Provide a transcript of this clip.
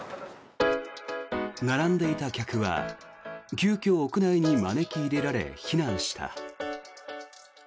並んでいた客は急きょ、屋内に招き入れられ避難した。